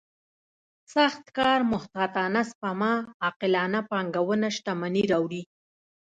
سخت کار محتاطانه سپما عاقلانه پانګونه شتمني راوړي.